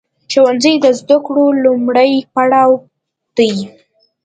ښوونځی د زده کړو لومړی پړاو دی.